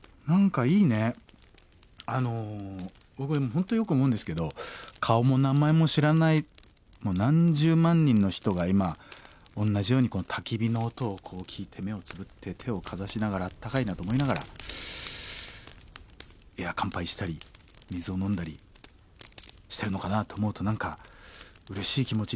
本当よく思うんですけど顔も名前も知らないもう何十万人の人が今おんなじようにこのたき火の音をこう聞いて目をつぶって手をかざしながらあったかいなと思いながらエア乾杯したり水を飲んだりしてるのかなあと思うと何かうれしい気持ちになってきませんか？